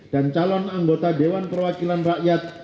dan calon anggota dewan perwakilan rakyat